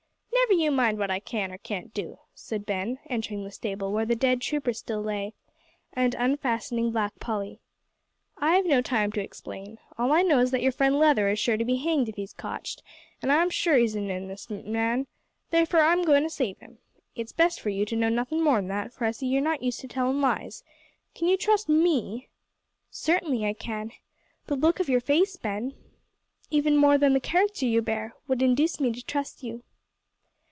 "Never you mind what I can or can't do," said Ben, entering the stable where the dead trooper still lay, and unfastening Black Polly. "I've no time to explain. All I know is that your friend Leather is sure to be hanged if he's cotched, an' I'm sure he's an innocent man therefore, I'm goin' to save him. It's best for you to know nothin' more than that, for I see you're not used to tellin' lies. Can you trust me?" "Certainly I can. The look of your face, Ben, even more than the character you bear, would induce me to trust you."